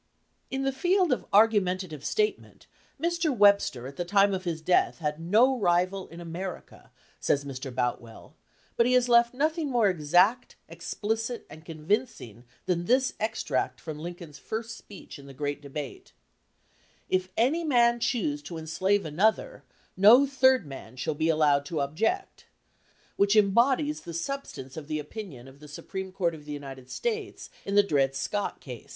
"In the field of argumentative statement, Mr. Webster at the time of his death had no rival in America," says Mr. Boutwell, "but he has left nothing more exact, explicit, and convincing than this extract from Lincoln's first speech in the great debate: 'If any man choose to enslave an other, no third man shall be allowed to object,' which embodies the substance of the opinion of the Supreme Court of the United States in the Dred Scott case."